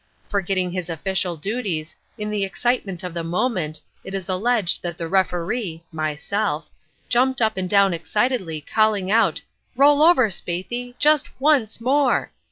Forgetting his official duties, in the excitement of the moment, it is alleged that the referee (myself) jumped up and down excitedly, calling out: 'Roll over, Spaethy, just once more!'